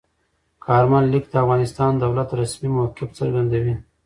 کارمل لیک د افغانستان د دولت رسمي موقف څرګندوي.